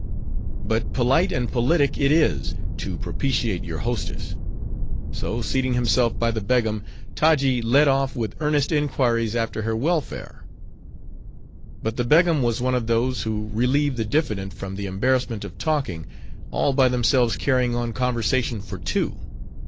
But polite and politic it is, to propitiate your hostess. So seating himself by the Begum, Taji led off with earnest inquiries after her welfare. But the Begum was one of those, who relieve the diffident from the embarrassment of talking; all by themselves carrying on conversation for two.